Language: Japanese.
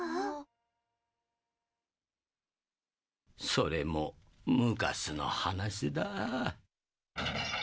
それも昔の話だぁ。